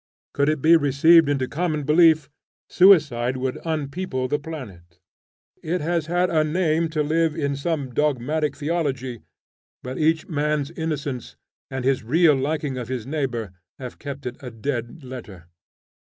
Could it be received into common belief, suicide would unpeople the planet. It has had a name to live in some dogmatic theology, but each man's innocence and his real liking of his neighbor have kept it a dead letter.